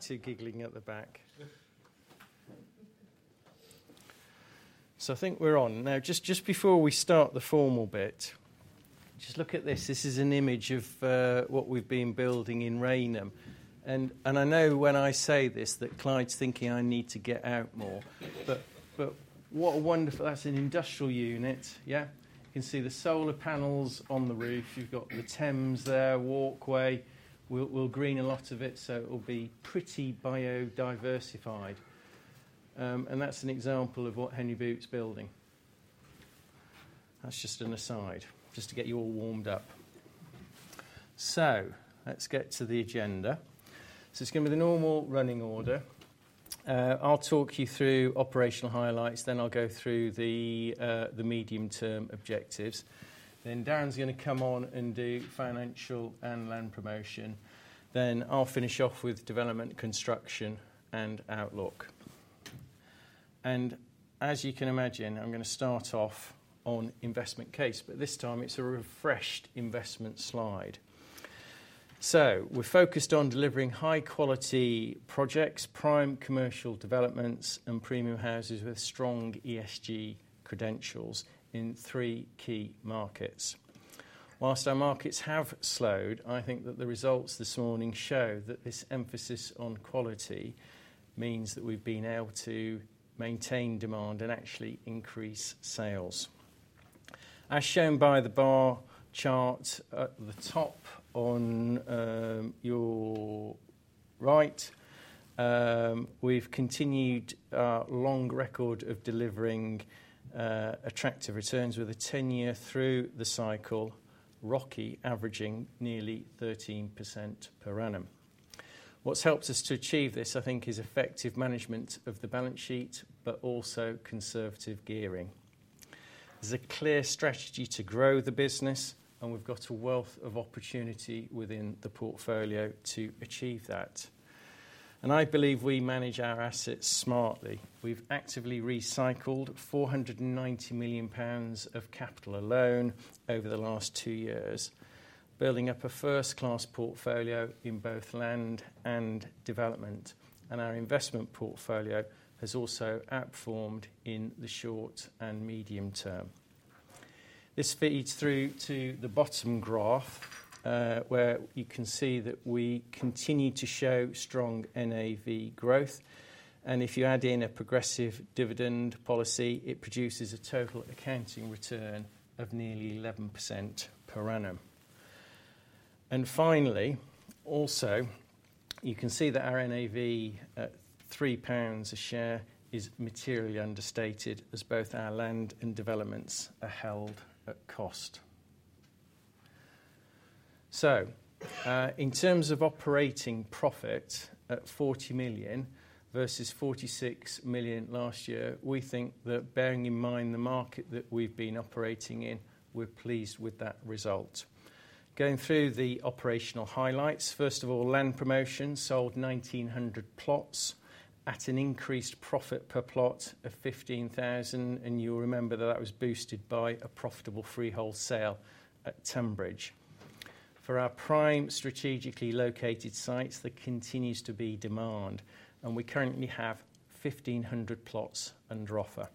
He's here giggling at the back. So I think we're on. Now, just before we start the formal bit, just look at this. This is an image of what we've been building in Rainham. And I know when I say this that Clyde's thinking I need to get out more. But what a wonderful that's an industrial unit. Yeah? You can see the solar panels on the roof. You've got the Thames there, walkway. We'll green a lot of it, so it'll be pretty biodiversified. And that's an example of what Henry Boot's building. That's just an aside, just to get you all warmed up. So let's get to the agenda. So it's going to be the normal running order. I'll talk you through operational highlights. Then I'll go through the medium-term objectives. Then Darren's going to come on and do financial and land promotion. Then I'll finish off with development, construction, and outlook. And as you can imagine, I'm going to start off on investment case. But this time, it's a refreshed investment slide. So we're focused on delivering high-quality projects, prime commercial developments, and premium houses with strong ESG credentials in three key markets. Whilst our markets have slowed, I think that the results this morning show that this emphasis on quality means that we've been able to maintain demand and actually increase sales. As shown by the bar chart at the top on your right, we've continued our long record of delivering attractive returns with a 10-year through-the-cycle ROCE averaging nearly 13% per annum. What's helped us to achieve this, I think, is effective management of the balance sheet but also conservative gearing. There's a clear strategy to grow the business, and we've got a wealth of opportunity within the portfolio to achieve that. I believe we manage our assets smartly. We've actively recycled 490 million pounds of capital alone over the last two years, building up a first-class portfolio in both land and development. Our investment portfolio has also outperformed in the short and medium term. This feeds through to the bottom graph, where you can see that we continue to show strong NAV growth. If you add in a progressive dividend policy, it produces a total accounting return of nearly 11% per annum. Finally, also, you can see that our NAV at 3 pounds of share is materially understated as both our land and developments are held at cost. So in terms of operating profit at 40 million versus 46 million last year, we think that bearing in mind the market that we've been operating in, we're pleased with that result. Going through the operational highlights, first of all, land promotion sold 1,900 plots at an increased profit per plot of 15,000. And you'll remember that that was boosted by a profitable freehold sale at Tonbridge. For our prime strategically located sites, there continues to be demand. And we currently have 1,500 plots under offer.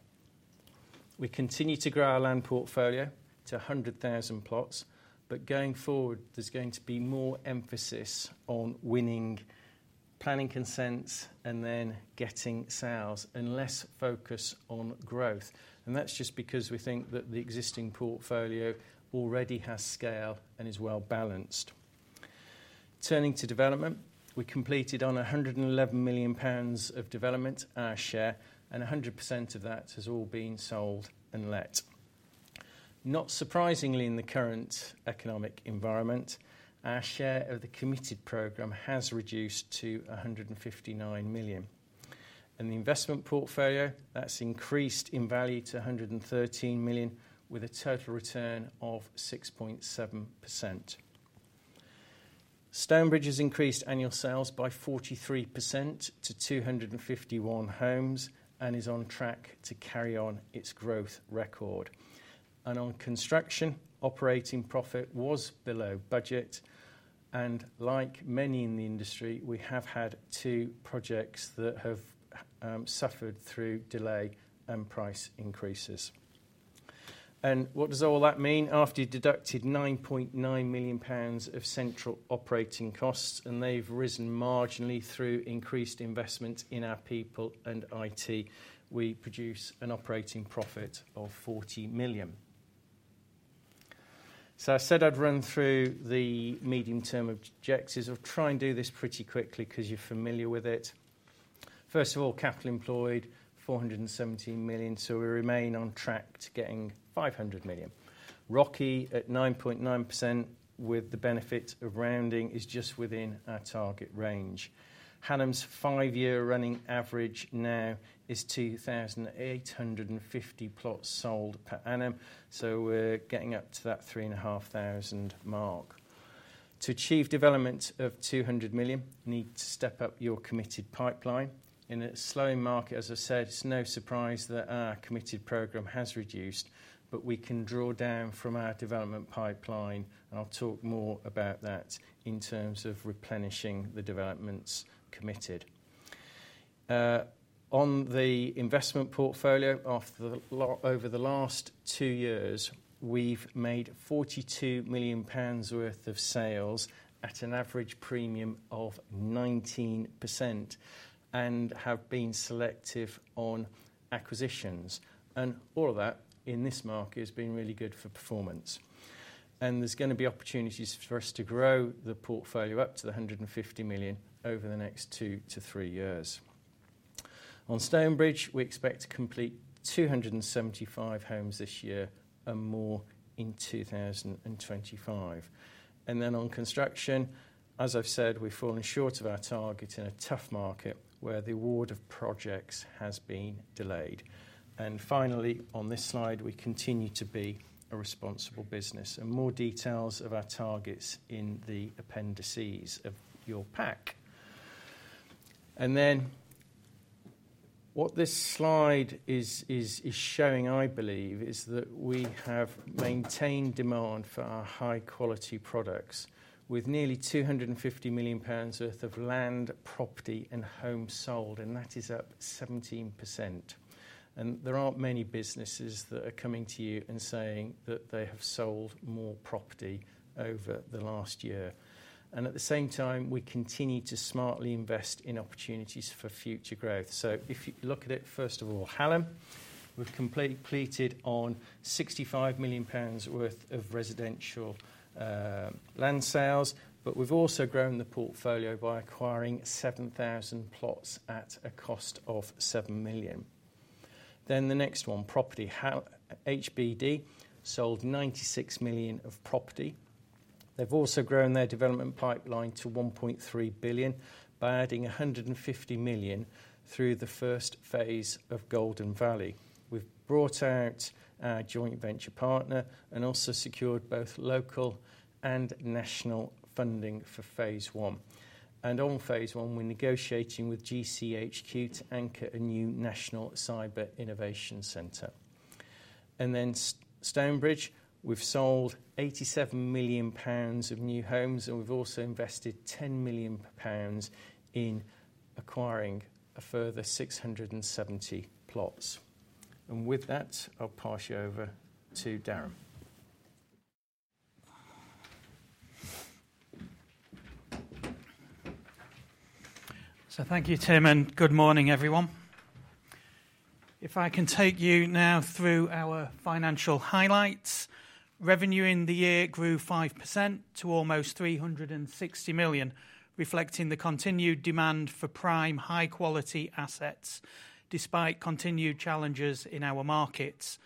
We continue to grow our land portfolio to 100,000 plots. But going forward, there's going to be more emphasis on winning planning consents and then getting sales and less focus on growth. And that's just because we think that the existing portfolio already has scale and is well-balanced. Turning to development, we completed on 111 million pounds of development our share. 100% of that has all been sold and let. Not surprisingly, in the current economic environment, our share of the committed program has reduced to 159 million. The investment portfolio, that's increased in value to 113 million with a total return of 6.7%. Stonebridge has increased annual sales by 43% to 251 homes and is on track to carry on its growth record. On construction, operating profit was below budget. Like many in the industry, we have had two projects that have suffered through delay and price increases. What does all that mean? After you've deducted 9.9 million pounds of central operating costs, and they've risen marginally through increased investment in our people and IT, we produce an operating profit of 40 million. I said I'd run through the medium-term objectives. I'll try and do this pretty quickly because you're familiar with it. First of all, capital employed 417 million. So we remain on track to getting 500 million. ROCE at 9.9% with the benefit of rounding is just within our target range. Hallam's five-year running average now is 2,850 plots sold per annum. So we're getting up to that 3,500 mark. To achieve development of 200 million, you need to step up your committed pipeline. In a slow market, as I said, it's no surprise that our committed program has reduced. But we can draw down from our development pipeline. And I'll talk more about that in terms of replenishing the developments committed. On the investment portfolio, over the last two years, we've made 42 million pounds worth of sales at an average premium of 19% and have been selective on acquisitions. And all of that in this market has been really good for performance. There's going to be opportunities for us to grow the portfolio up to 150 million over the next 2-3 years. On Stonebridge, we expect to complete 275 homes this year and more in 2025. On construction, as I've said, we've fallen short of our target in a tough market where the award of projects has been delayed. Finally, on this slide, we continue to be a responsible business. More details of our targets in the appendices of your pack. Then what this slide is showing, I believe, is that we have maintained demand for our high-quality products with nearly 250 million pounds worth of land, property, and home sold. That is up 17%. There aren't many businesses that are coming to you and saying that they have sold more property over the last year. At the same time, we continue to smartly invest in opportunities for future growth. So if you look at it, first of all, Hallam, we've completed on 65 million pounds worth of residential land sales. We've also grown the portfolio by acquiring 7,000 plots at a cost of 7 million. The next one, HBD, sold 96 million of property. They've also grown their development pipeline to 1.3 billion by adding 150 million through the first phase of Golden Valley. We've brought out our joint venture partner and also secured both local and national funding for phase I. On phase I, we're negotiating with GCHQ to anchor a new national cyber innovation center. Then Stonebridge, we've sold 87 million pounds of new homes. We've also invested 10 million pounds in acquiring a further 670 plots. With that, I'll pass you over to Darren. So thank you, Tim. And good morning, everyone. If I can take you now through our financial highlights, revenue in the year grew 5% to almost 360 million, reflecting the continued demand for prime high-quality assets despite continued challenges in our markets.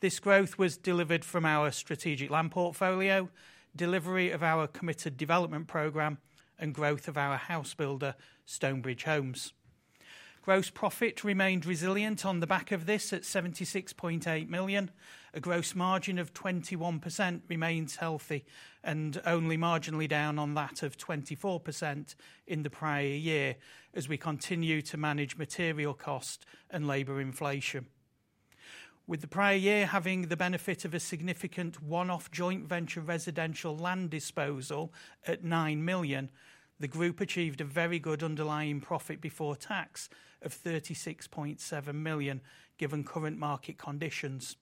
This growth was delivered from our strategic land portfolio, delivery of our committed development program, and growth of our house builder, Stonebridge Homes. Gross profit remained resilient on the back of this at 76.8 million. A gross margin of 21% remains healthy and only marginally down on that of 24% in the prior year as we continue to manage material cost and labor inflation. With the prior year having the benefit of a significant one-off joint venture residential land disposal at 9 million, the group achieved a very good underlying profit before tax of 36.7 million given current market conditions.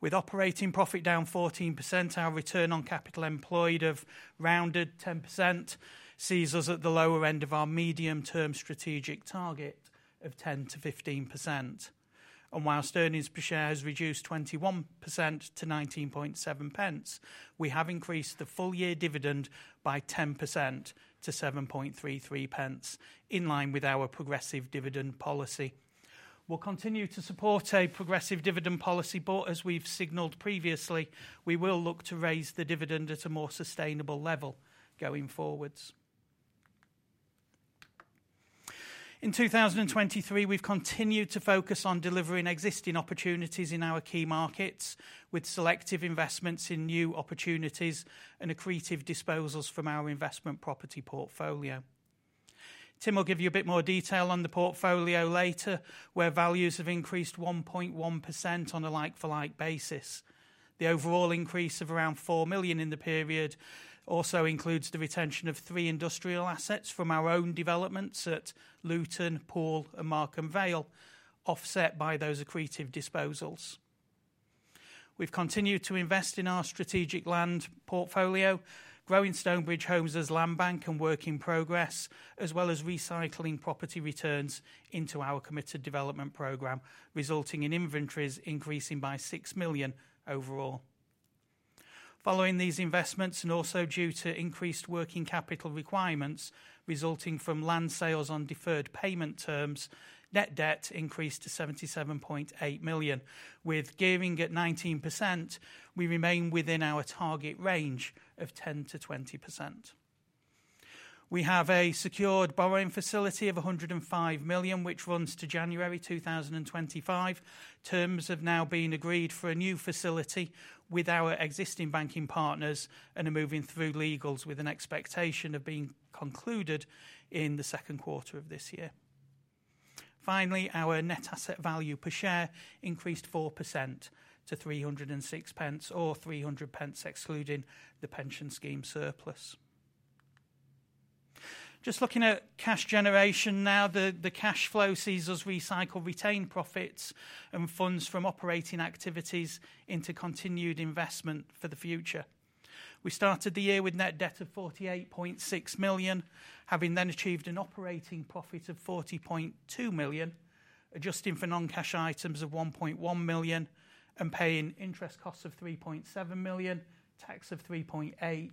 With operating profit down 14%, our return on capital employed of around 10% sees us at the lower end of our medium-term strategic target of 10%-15%. While earnings per share has reduced 21% to 0.197, we have increased the full-year dividend by 10% to 0.0733 in line with our progressive dividend policy. We'll continue to support a progressive dividend policy. As we've signaled previously, we will look to raise the dividend at a more sustainable level going forward. In 2023, we've continued to focus on delivering existing opportunities in our key markets with selective investments in new opportunities and accretive disposals from our investment property portfolio. Tim will give you a bit more detail on the portfolio later, where values have increased 1.1% on a like-for-like basis. The overall increase of around 4 million in the period also includes the retention of three industrial assets from our own developments at Luton, Poole, and Markham Vale, offset by those accretive disposals. We've continued to invest in our strategic land portfolio, growing Stonebridge Homes as land bank and work in progress, as well as recycling property returns into our committed development program, resulting in inventories increasing by 6 million overall. Following these investments and also due to increased working capital requirements resulting from land sales on deferred payment terms, net debt increased to 77.8 million. With gearing at 19%, we remain within our target range of 10%-20%. We have a secured borrowing facility of 105 million, which runs to January 2025. Terms have now been agreed for a new facility with our existing banking partners and are moving through legals with an expectation of being concluded in the second quarter of this year. Finally, our net asset value per share increased 4% to 306 pence or 300 pence excluding the pension scheme surplus. Just looking at cash generation now, the cash flow sees us recycle retained profits and funds from operating activities into continued investment for the future. We started the year with net debt of 48.6 million, having then achieved an operating profit of 40.2 million, adjusting for non-cash items of 1.1 million, and paying interest costs of 3.7 million, tax of 3.8 million,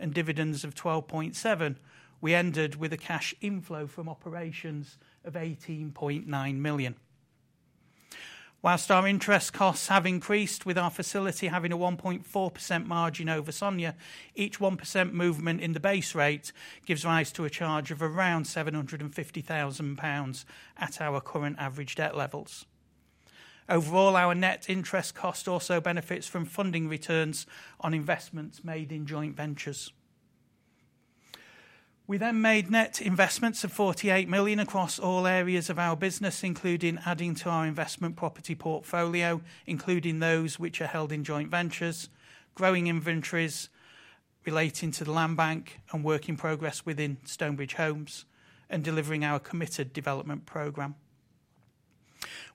and dividends of 12.7 million. We ended with a cash inflow from operations of 18.9 million. While our interest costs have increased with our facility having a 1.4% margin over SONIA, each 1% movement in the base rate gives rise to a charge of around 750,000 pounds at our current average debt levels. Overall, our net interest cost also benefits from funding returns on investments made in joint ventures. We then made net investments of 48 million across all areas of our business, including adding to our investment property portfolio, including those which are held in joint ventures, growing inventories relating to the land bank and work in progress within Stonebridge Homes, and delivering our committed development program.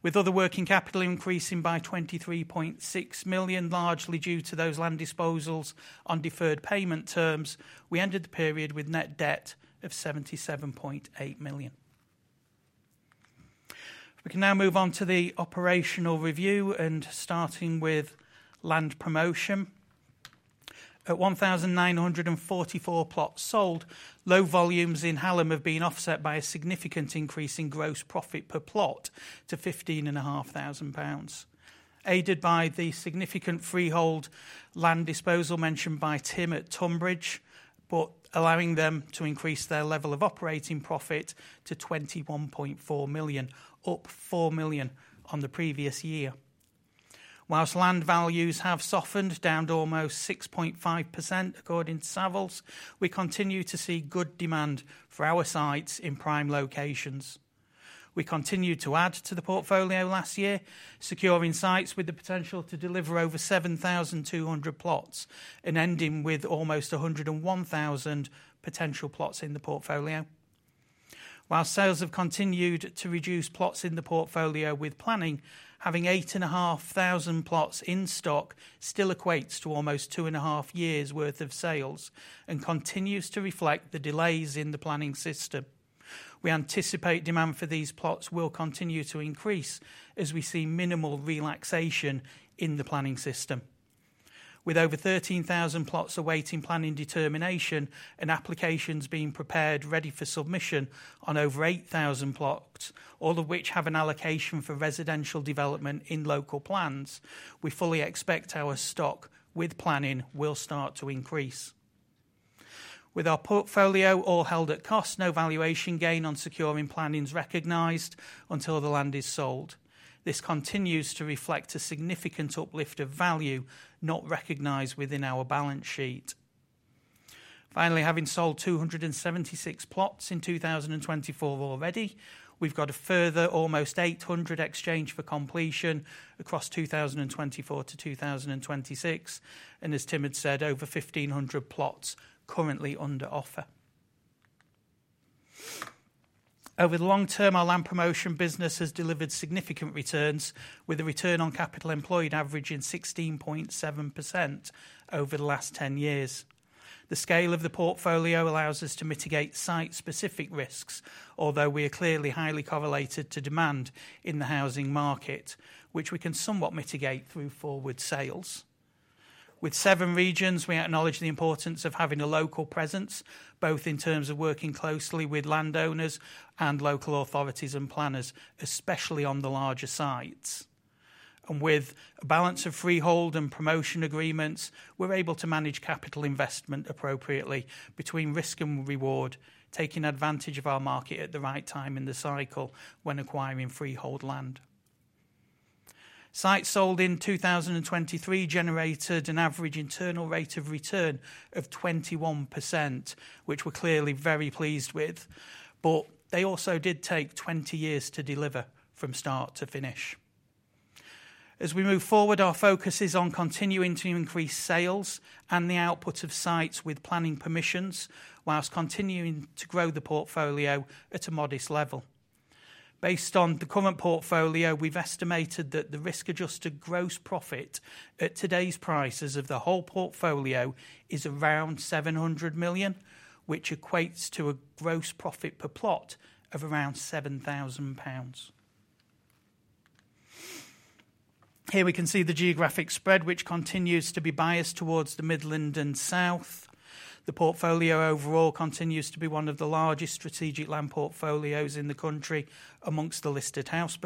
With other working capital increasing by 23.6 million, largely due to those land disposals on deferred payment terms, we ended the period with net debt of 77.8 million. We can now move on to the operational review and starting with land promotion. At 1,944 plots sold, low volumes in Hallam have been offset by a significant increase in gross profit per plot to 15,500 pounds, aided by the significant freehold land disposal mentioned by Tim at Tonbridge but allowing them to increase their level of operating profit to 21.4 million, up 4 million on the previous year. Whilst land values have softened down to almost 6.5% according to Savills, we continue to see good demand for our sites in prime locations. We continued to add to the portfolio last year, securing sites with the potential to deliver over 7,200 plots and ending with almost 101,000 potential plots in the portfolio. Whilst sales have continued to reduce plots in the portfolio with planning, having 8,500 plots in stock still equates to almost two and a half years' worth of sales and continues to reflect the delays in the planning system. We anticipate demand for these plots will continue to increase as we see minimal relaxation in the planning system. With over 13,000 plots awaiting planning determination and applications being prepared ready for submission on over 8,000 plots, all of which have an allocation for residential development in local plans, we fully expect our stock with planning will start to increase. With our portfolio all held at cost, no valuation gain on securing planning is recognised until the land is sold. This continues to reflect a significant uplift of value not recognised within our balance sheet. Finally, having sold 276 plots in 2024 already, we've got a further almost 800 exchange for completion across 2024 to 2026. And as Tim had said, over 1,500 plots currently under offer. Over the long term, our land promotion business has delivered significant returns with a return on capital employed average in 16.7% over the last 10 years. The scale of the portfolio allows us to mitigate site-specific risks, although we are clearly highly correlated to demand in the housing market, which we can somewhat mitigate through forward sales. With seven regions, we acknowledge the importance of having a local presence both in terms of working closely with landowners and local authorities and planners, especially on the larger sites. With a balance of freehold and promotion agreements, we're able to manage capital investment appropriately between risk and reward, taking advantage of our market at the right time in the cycle when acquiring freehold land. Sites sold in 2023 generated an average internal rate of return of 21%, which we're clearly very pleased with. They also did take 20 years to deliver from start to finish. As we move forward, our focus is on continuing to increase sales and the output of sites with planning permissions while continuing to grow the portfolio at a modest level. Based on the current portfolio, we've estimated that the risk-adjusted gross profit at today's prices of the whole portfolio is around 700 million, which equates to a gross profit per plot of around 7,000 pounds. Here, we can see the geographic spread, which continues to be biased towards the Midlands and South. The portfolio overall continues to be one of the largest strategic land portfolios in the country among the listed house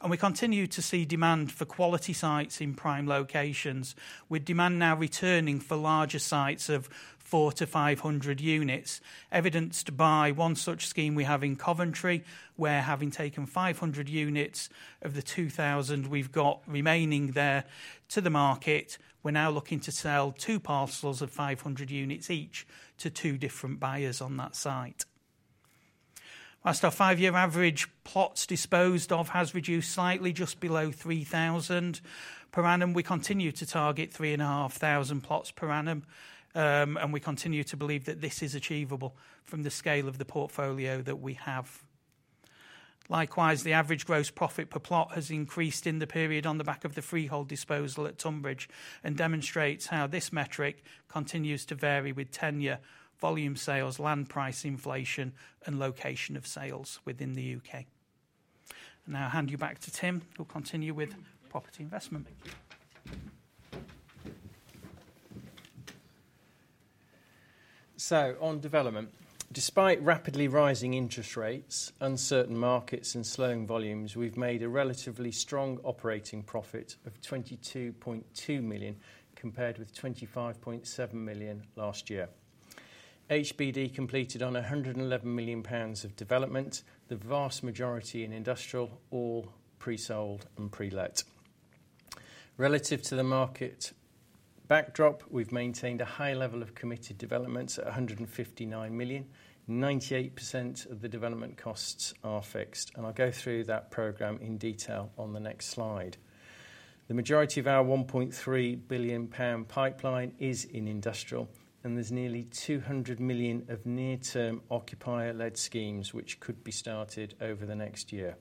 builders. We continue to see demand for quality sites in prime locations, with demand now returning for larger sites of 4-500 units, evidenced by one such scheme we have in Coventry, where, having taken 500 units of the 2,000 we've got remaining there to the market, we're now looking to sell two parcels of 500 units each to two different buyers on that site. While our five-year average plots disposed of has reduced slightly just below 3,000 per annum, we continue to target 3,500 plots per annum. We continue to believe that this is achievable from the scale of the portfolio that we have. Likewise, the average gross profit per plot has increased in the period on the back of the freehold disposal at Tonbridge and demonstrates how this metric continues to vary with tenure, volume sales, land price inflation, and location of sales within the UK. Now I'll hand you back to Tim. He'll continue with property investment. Thank you. So on development, despite rapidly rising interest rates, uncertain markets, and slowing volumes, we've made a relatively strong operating profit of 22.2 million compared with 25.7 million last year. HBD completed on GBP 111 million of development, the vast majority in industrial, all pre-sold and pre-let. Relative to the market backdrop, we've maintained a high level of committed developments at 159 million. 98% of the development costs are fixed. I'll go through that program in detail on the next slide. The majority of our 1.3 billion pound pipeline is in industrial. There's nearly 200 million of near-term occupier-led schemes which could be started over the next year.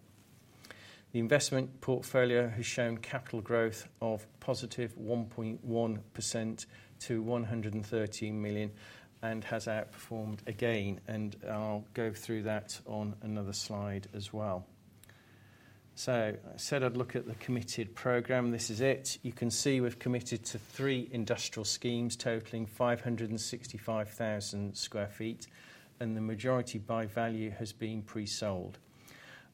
The investment portfolio has shown capital growth of +1.1% to 113 million and has outperformed again. I'll go through that on another slide as well. I said I'd look at the committed program. This is it. You can see we've committed to three industrial schemes totaling 565,000 sq ft. The majority by value has been pre-sold.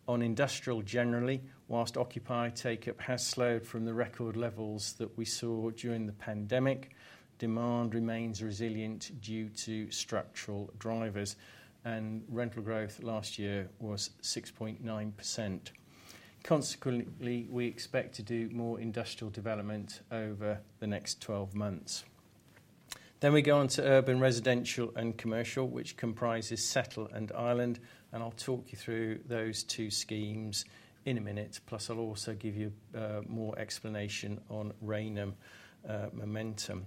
On industrial generally, while occupier take-up has slowed from the record levels that we saw during the pandemic, demand remains resilient due to structural drivers. Rental growth last year was 6.9%. Consequently, we expect to do more industrial development over the next 12 months. Then we go on to urban, residential, and commercial, which comprises Setl and Island. I'll talk you through those two schemes in a minute. Plus, I'll also give you more explanation on Momentum Rainham.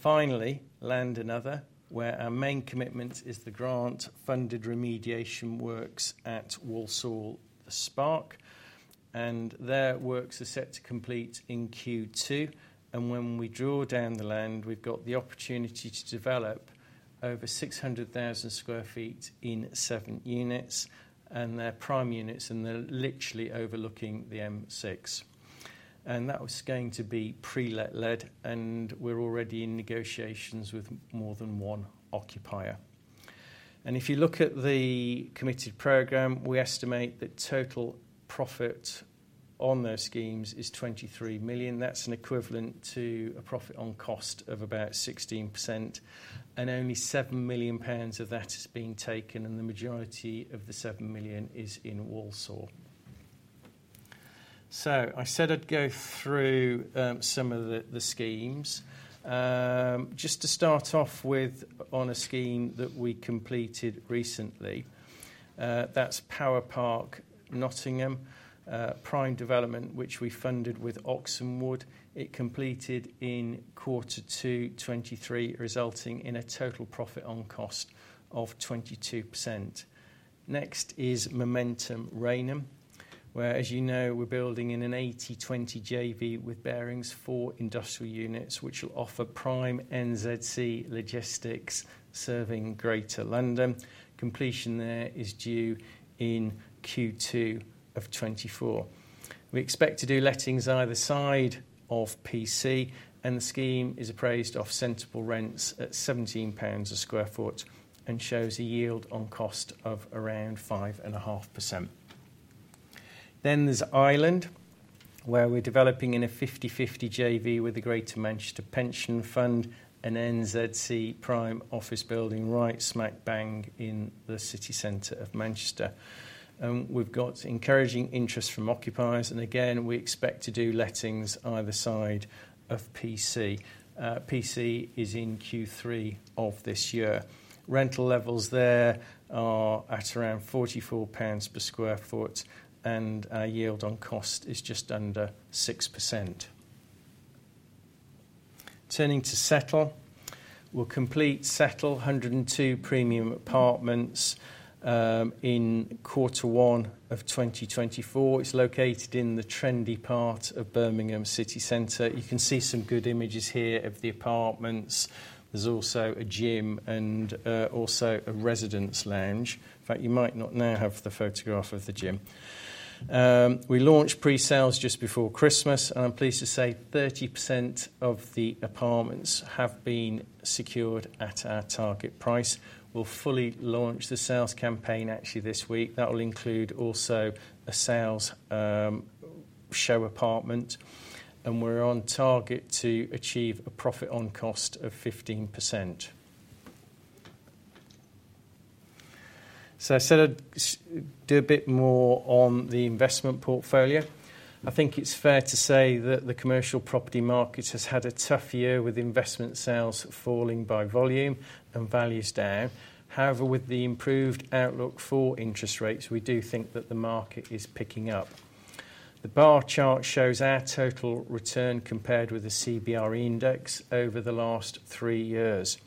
Finally, land and other, where our main commitment is the grant-funded remediation works at Walsall SPARK. Their works are set to complete in Q2. When we draw down the land, we've got the opportunity to develop over 600,000 sq ft in seven units. They're prime units. They're literally overlooking the M6. That was going to be pre-let led. We're already in negotiations with more than one occupier. If you look at the committed program, we estimate that total profit on those schemes is 23 million. That's an equivalent to a profit on cost of about 16%. Only 7 million pounds of that is being taken. The majority of the 7 million is in Walsall. So I said I'd go through some of the schemes. Just to start off with on a scheme that we completed recently, that's Power Park Nottingham prime development, which we funded with Oxenwood. It completed in quarter two 2023, resulting in a total profit on cost of 22%. Next is Momentum Rainham, where, as you know, we're building in an 80/20 JV with Barings for industrial units which will offer prime NZC logistics serving Greater London. Completion there is due in Q2 of 2024. We expect to do lettings either side of PC. The scheme is appraised off sustainable rents at 17 pounds per sq ft and shows a yield on cost of around 5.5%. Then there's Island, where we're developing in a 50/50 JV with the Greater Manchester Pension Fund and NZC prime office building right smack bang in the city center of Manchester. We've got encouraging interest from occupiers. Again, we expect to do lettings either side of PC. PC is in Q3 of this year. Rental levels there are at around 44 pounds per sq ft. Our yield on cost is just under 6%. Turning to Setl, we'll complete 102 premium apartments in quarter one of 2024. It's located in the trendy part of Birmingham city center. You can see some good images here of the apartments. There's also a gym and also a residence lounge. In fact, you might now have the photograph of the gym. We launched pre-sales just before Christmas. I'm pleased to say 30% of the apartments have been secured at our target price. We'll fully launch the sales campaign actually this week. That will include also a sales show apartment. We're on target to achieve a profit on cost of 15%. I said I'd do a bit more on the investment portfolio. I think it's fair to say that the commercial property market has had a tough year with investment sales falling by volume and values down. However, with the improved outlook for interest rates, we do think that the market is picking up. The bar chart shows our total return compared with the CBRE index over the last three years.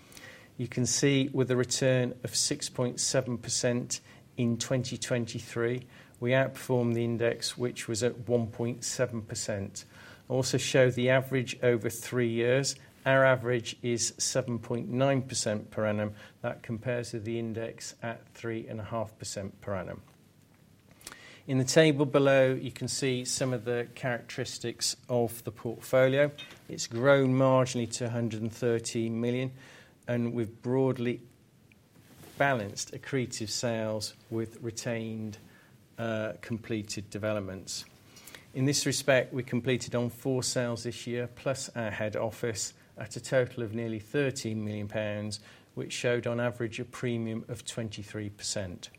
You can see with a return of 6.7% in 2023, we outperformed the index, which was at 1.7%. I'll also show the average over three years. Our average is 7.9% per annum. That compares to the index at 3.5% per annum. In the table below, you can see some of the characteristics of the portfolio. It's grown marginally to 130 million. We've broadly balanced accretive sales with retained completed developments. In this respect, we completed on four sales this year plus our head office at a total of nearly 13 million pounds, which showed on average a premium of 23%.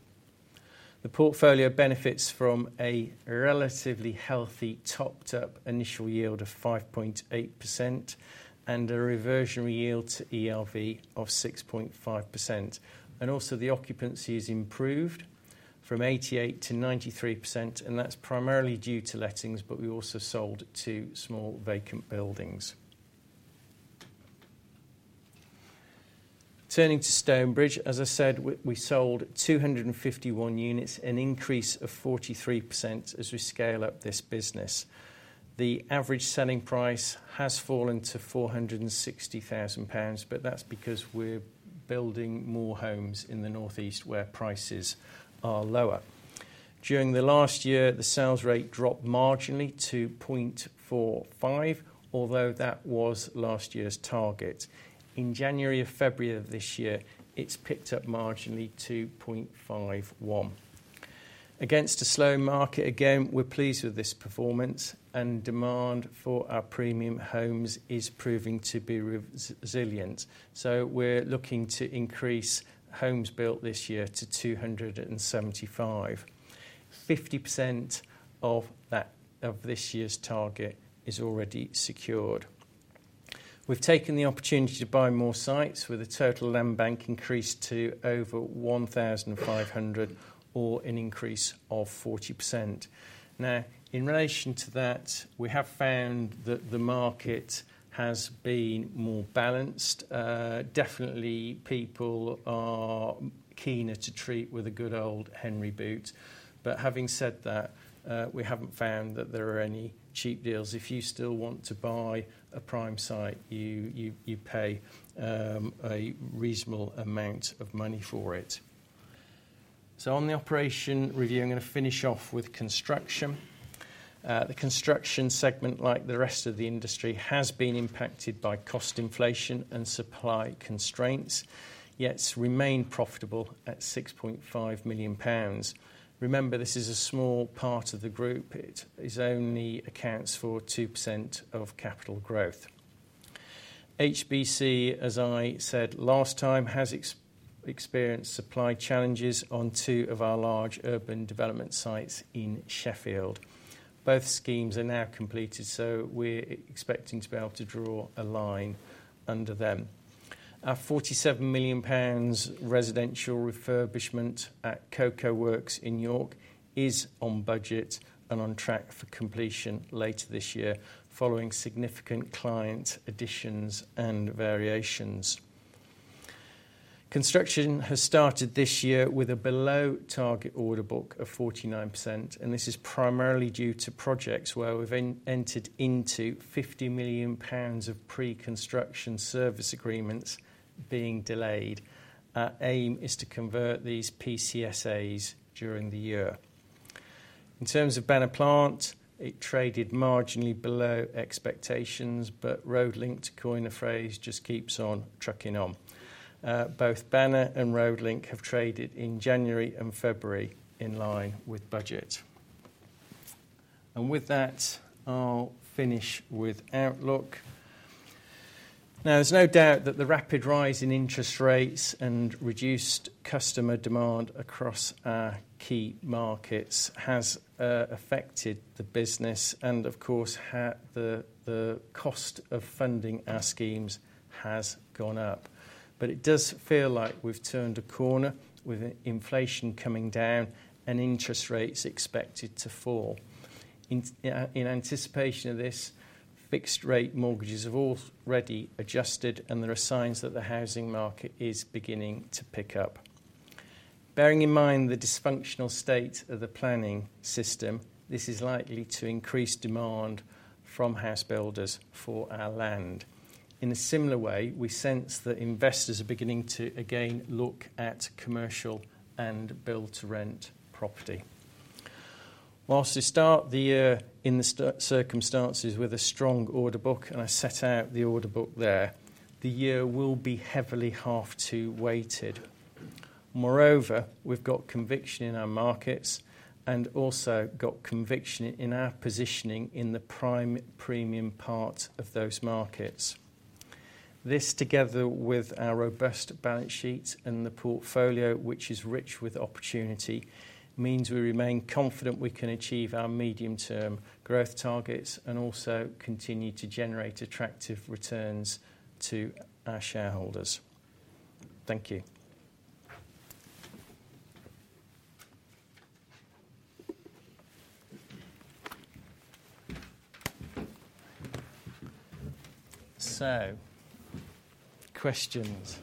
The portfolio benefits from a relatively healthy topped-up initial yield of 5.8% and a reversionary yield to ERV of 6.5%. Also, the occupancy has improved from 88%-93%. That's primarily due to lettings. We also sold two small vacant buildings. Turning to Stonebridge, as I said, we sold 251 units, an increase of 43% as we scale up this business. The average selling price has fallen to 460,000 pounds. That's because we're building more homes in the northeast where prices are lower. During the last year, the sales rate dropped marginally to 0.45, although that was last year's target. In January and February of this year, it's picked up marginally to 0.51. Against a slow market, again, we're pleased with this performance. Demand for our premium homes is proving to be resilient. We're looking to increase homes built this year to 275. 50% of this year's target is already secured. We've taken the opportunity to buy more sites, with a total land bank increase to over 1,500 or an increase of 40%. Now, in relation to that, we have found that the market has been more balanced. Definitely, people are keener to treat with a good old Henry Boot. But having said that, we haven't found that there are any cheap deals. If you still want to buy a prime site, you pay a reasonable amount of money for it. So on the operation review, I'm going to finish off with construction. The construction segment, like the rest of the industry, has been impacted by cost inflation and supply constraints, yet remained profitable at 6.5 million pounds. Remember, this is a small part of the group. It only accounts for 2% of capital growth. HBC, as I said last time, has experienced supply challenges on two of our large urban development sites in Sheffield. Both schemes are now completed. So we're expecting to be able to draw a line under them. Our 47 million pounds residential refurbishment at Cocoa Works in York is on budget and on track for completion later this year following significant client additions and variations. Construction has started this year with a below-target order book of 49%. And this is primarily due to projects where we've entered into 50 million pounds of pre-construction service agreements being delayed. Our aim is to convert these PCSAs during the year. In terms of Banner Plant, it traded marginally below expectations. But Road Link, to coin a phrase, just keeps on trucking on. Both Banner and Road Link have traded in January and February in line with budget. And with that, I'll finish with outlook. Now, there's no doubt that the rapid rise in interest rates and reduced customer demand across our key markets has affected the business. And of course, the cost of funding our schemes has gone up. But it does feel like we've turned a corner with inflation coming down and interest rates expected to fall. In anticipation of this, fixed-rate mortgages have already adjusted. And there are signs that the housing market is beginning to pick up. Bearing in mind the dysfunctional state of the planning system, this is likely to increase demand from house builders for our land. In a similar way, we sense that investors are beginning to again look at commercial and build-to-rent property. Whilst we start the year in the circumstances with a strong order book and I set out the order book there, the year will be heavily half-to-weighted. Moreover, we've got conviction in our markets and also got conviction in our positioning in the prime premium part of those markets. This, together with our robust balance sheet and the portfolio, which is rich with opportunity, means we remain confident we can achieve our medium-term growth targets and also continue to generate attractive returns to our shareholders. Thank you. So questions.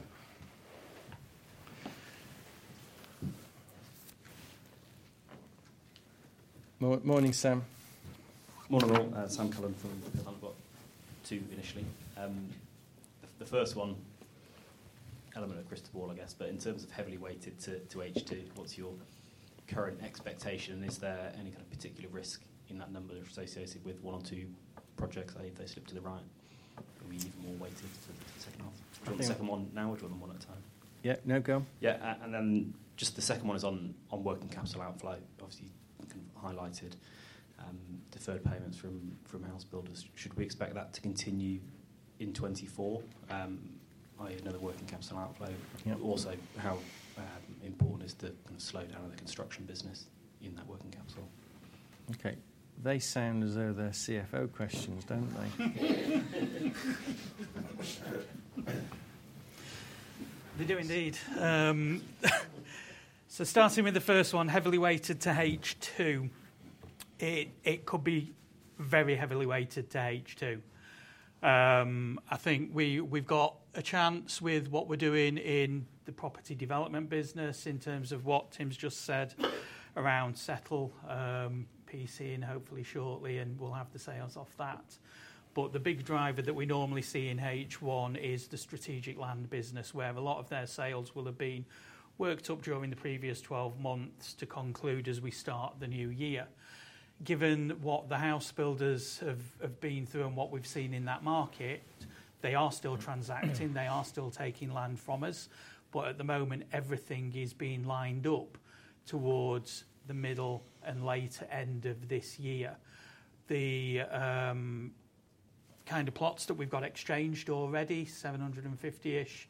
Morning, Sam. Morning all. Sam Cullen from Peel Hunt, too, initially. The first one, element of crystal ball, I guess. But in terms of heavily weighted to H2, what's your current expectation? And is there any kind of particular risk in that number associated with one or two projects? I think they slipped to the right. Are we even more weighted to the second half? Do you want the second one now? Or do you want them one at a time? Yeah. No, go. Yeah. And then just the second one is on working capital outflow, obviously kind of highlighted, deferred payments from house builders. Should we expect that to continue in 2024? I have another working capital outflow. Also, how important is the kind of slowdown of the construction business in that working capital? Okay. They sound as though they're CFO questions, don't they? They do indeed. Starting with the first one, heavily weighted to H2. It could be very heavily weighted to H2. I think we've got a chance with what we're doing in the property development business in terms of what Tim's just said around Setl PCSA and hopefully shortly. And we'll have the sales off that. But the big driver that we normally see in H1 is the strategic land business, where a lot of their sales will have been worked up during the previous 12 months to conclude as we start the new year. Given what the house builders have been through and what we've seen in that market, they are still transacting. They are still taking land from us. But at the moment, everything is being lined up towards the middle and later end of this year. The kind of plots that we've got exchanged already, 750-ish,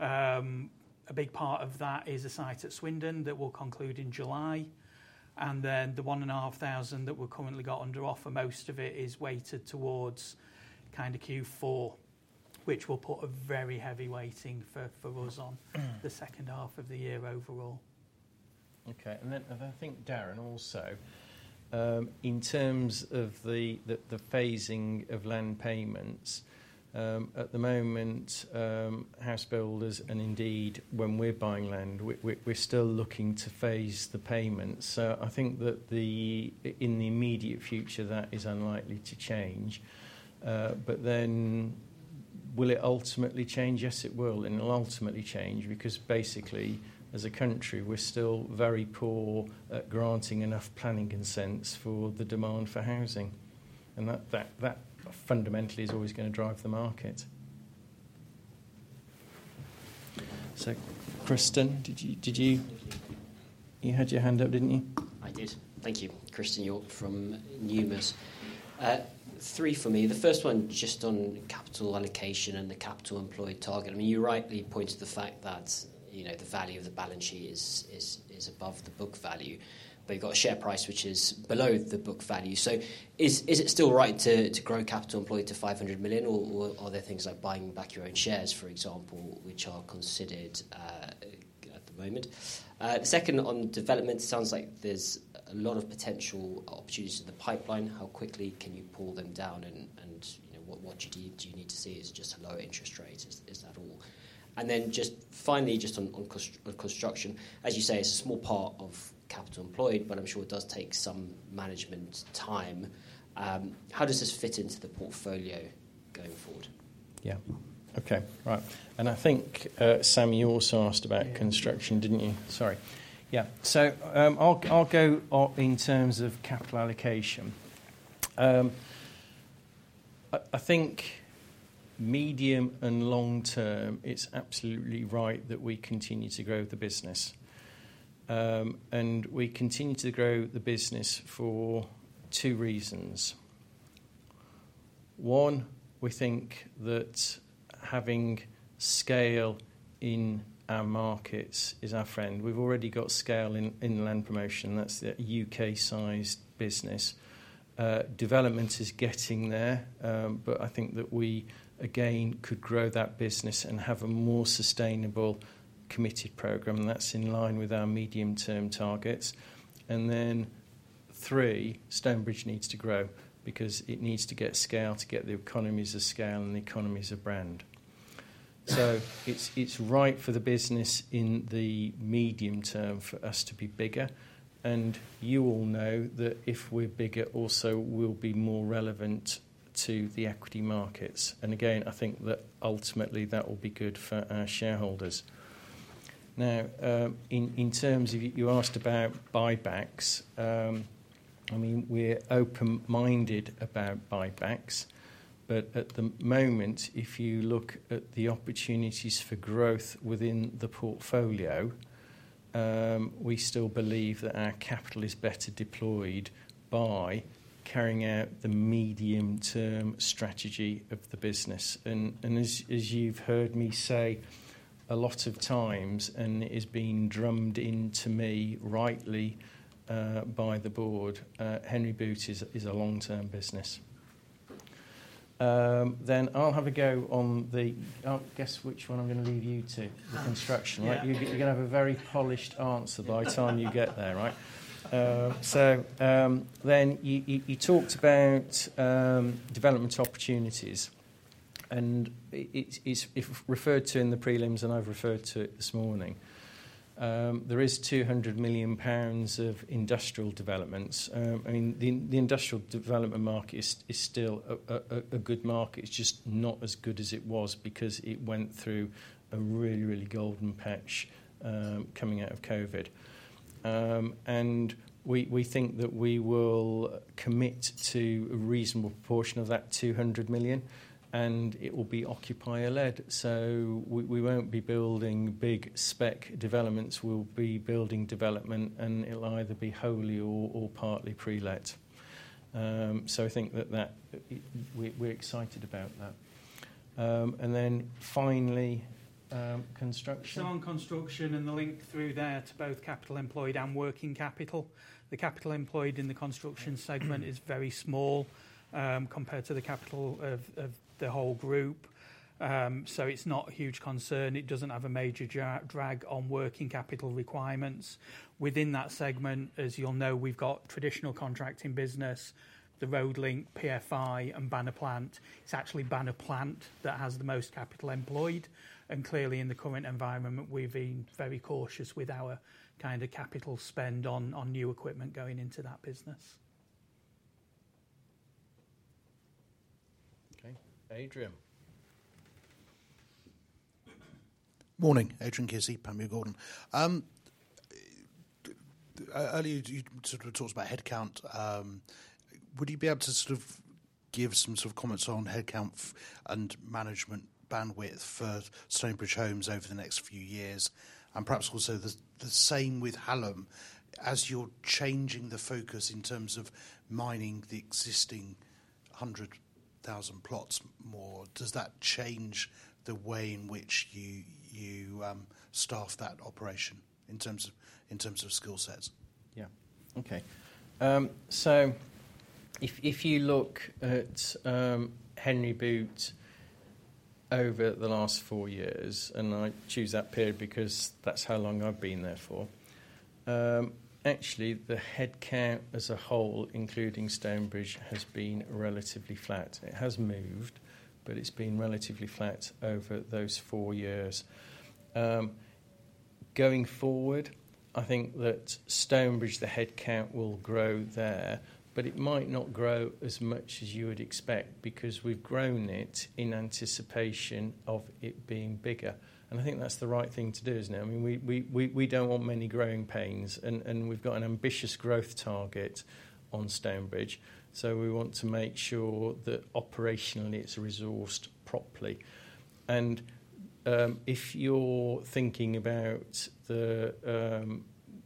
a big part of that is a site at Swindon that will conclude in July. And then the 1,500 that we've currently got under offer, most of it is weighted towards kind of Q4, which will put a very heavy weighting for us on the second half of the year overall. Okay. And then I think, Darren, also in terms of the phasing of land payments, at the moment, house builders and indeed, when we're buying land, we're still looking to phase the payments. So I think that in the immediate future, that is unlikely to change. But then will it ultimately change? Yes, it will. And it'll ultimately change because basically, as a country, we're still very poor at granting enough planning consents for the demand for housing. And that fundamentally is always going to drive the market. So Christen, did you have your hand up, didn't you? I did. Thank you. Christen Hjorth from Deutsche Bank. Three for me. The first one just on capital allocation and the capital employed target. I mean, you rightly pointed to the fact that the value of the balance sheet is above the book value. But you've got a share price, which is below the book value. So is it still right to grow capital employed to 500 million? Or are there things like buying back your own shares, for example, which are considered at the moment? The second on development, it sounds like there's a lot of potential opportunities in the pipeline. How quickly can you pull them down? And what do you need to see? Is it just a lower interest rate? Is that all? And then just finally, just on construction, as you say, it's a small part of capital employed. But I'm sure it does take some management time. How does this fit into the portfolio going forward? Yeah. Okay. Right. And I think, Sam, you also asked about construction, didn't you? Sorry. Yeah. So I'll go in terms of capital allocation. I think medium and long term, it's absolutely right that we continue to grow the business. And we continue to grow the business for two reasons. One, we think that having scale in our markets is our friend. We've already got scale in land promotion. That's the UK-sized business. Development is getting there. But I think that we, again, could grow that business and have a more sustainable committed program. And that's in line with our medium-term targets. And then three, Stonebridge needs to grow because it needs to get scale to get the economies of scale and the economies of brand. So it's right for the business in the medium term for us to be bigger. And you all know that if we're bigger, also we'll be more relevant to the equity markets. And again, I think that ultimately, that will be good for our shareholders. Now, in terms of you asked about buybacks. I mean, we're open-minded about buybacks. But at the moment, if you look at the opportunities for growth within the portfolio, we still believe that our capital is better deployed by carrying out the medium-term strategy of the business. And as you've heard me say a lot of times, and it has been drummed into me rightly by the board, Henry Boot is a long-term business. Then I'll have a go on the I'll guess which one I'm going to leave you to, the construction. You're going to have a very polished answer by the time you get there, right? So then you talked about development opportunities. And it's referred to in the prelims. And I've referred to it this morning. There is 200 million pounds of industrial developments. I mean, the industrial development market is still a good market. It's just not as good as it was because it went through a really, really golden patch coming out of COVID. And we think that we will commit to a reasonable proportion of that 200 million. And it will be occupier-led. So we won't be building big spec developments. We'll be building development. And it'll either be wholly or partly pre-let. So I think that we're excited about that. And then finally, construction. So on construction and the link through there to both capital employed and working capital, the capital employed in the construction segment is very small compared to the capital of the whole group. So it's not a huge concern. It doesn't have a major drag on working capital requirements. Within that segment, as you'll know, we've got traditional contracting business, the RoadLink, PFI, and Banner Plant. It's actually Banner Plant that has the most capital employed. And clearly, in the current environment, we've been very cautious with our kind of capital spend on new equipment going into that business. Okay. Adrian. Morning. Adrian Kearsey, Panmure Liberum. Earlier, you sort of talked about headcount. Would you be able to sort of give some sort of comments on headcount and management bandwidth for Stonebridge Homes over the next few years? And perhaps also the same with Hallam. As you're changing the focus in terms of mining the existing 100,000 plots more, does that change the way in which you staff that operation in terms of skill sets? Yeah. Okay. So if you look at Henry Boot over the last four years and I choose that period because that's how long I've been there for, actually, the headcount as a whole, including Stonebridge, has been relatively flat. It has moved. But it's been relatively flat over those four years. Going forward, I think that Stonebridge, the headcount will grow there. But it might not grow as much as you would expect because we've grown it in anticipation of it being bigger. And I think that's the right thing to do, isn't it? I mean, we don't want many growing pains. And we've got an ambitious growth target on Stonebridge. So we want to make sure that operationally, it's resourced properly. And if you're thinking about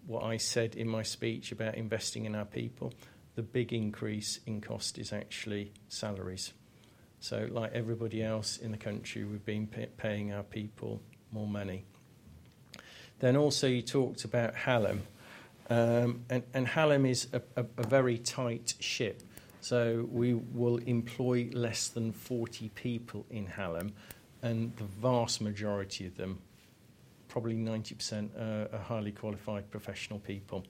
what I said in my speech about investing in our people, the big increase in cost is actually salaries. So like everybody else in the country, we've been paying our people more money. Then also, you talked about Hallam. And Hallam is a very tight ship. So we will employ less than 40 people in Hallam. And the vast majority of them, probably 90%, are highly qualified professional people.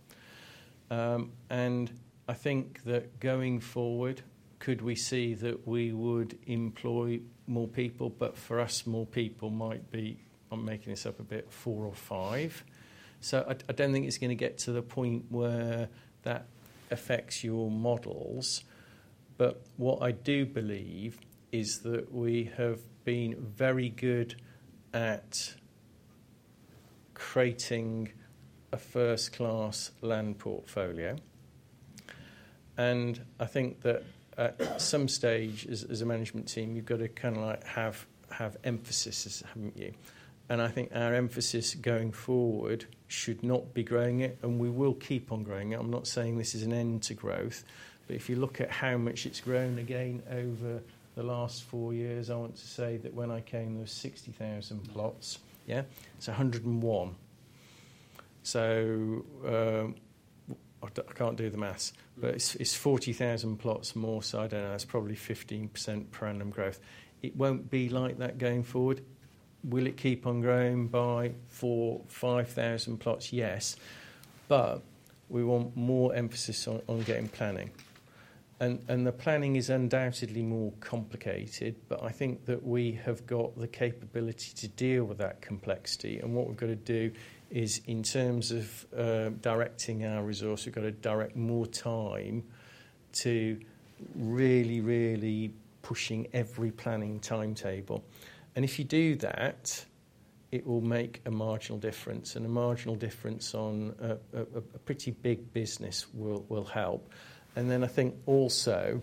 And I think that going forward, could we see that we would employ more people? But for us, more people might be I'm making this up a bit four or five. So I don't think it's going to get to the point where that affects your models. But what I do believe is that we have been very good at creating a first-class land portfolio. And I think that at some stage, as a management team, you've got to kind of have emphasis, haven't you? And I think our emphasis going forward should not be growing it. We will keep on growing it. I'm not saying this is an end to growth. But if you look at how much it's grown again over the last four years, I want to say that when I came, there was 60,000 plots. Yeah? It's 101. I can't do the math. But it's 40,000 plots more. I don't know. That's probably 15% per annum growth. It won't be like that going forward. Will it keep on growing by 4,000, 5,000 plots? Yes. But we want more emphasis on getting planning. The planning is undoubtedly more complicated. But I think that we have got the capability to deal with that complexity. What we've got to do is in terms of directing our resource, we've got to direct more time to really, really pushing every planning timetable. If you do that, it will make a marginal difference. A marginal difference on a pretty big business will help. Then I think also,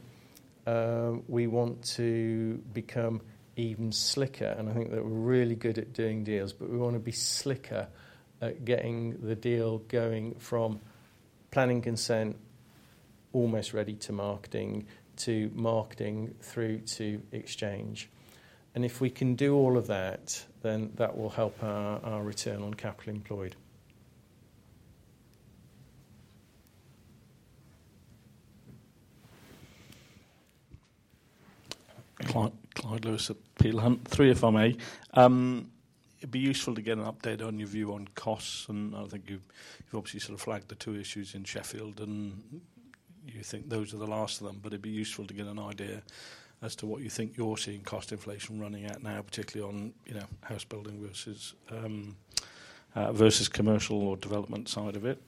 we want to become even slicker. I think that we're really good at doing deals. But we want to be slicker at getting the deal going from planning consent, almost ready to marketing, to marketing through to exchange. If we can do all of that, then that will help our return on capital employed. Clyde Lewis, Peel Hunt, three if I may. It'd be useful to get an update on your view on costs. And I think you've obviously sort of flagged the two issues in Sheffield. And you think those are the last of them. But it'd be useful to get an idea as to what you think you're seeing cost inflation running at now, particularly on house building versus commercial or development side of it.